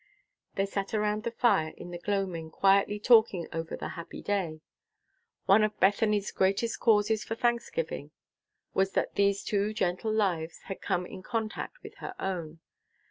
They sat around the fire in the gloaming, quietly talking over the happy day. One of Bethany's greatest causes for thanksgiving was that these two gentle lives had come in contact with her own.